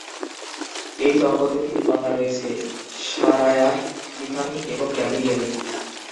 এই দম্পতির তিন কন্যা রয়েছে: শারায়াহ, টিফানি এবং গ্যাব্রিয়েল।